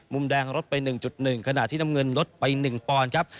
มุมแดงลดไป๑๑ขณะที่น้ำเงินลดไป๑ปอนด์ครับ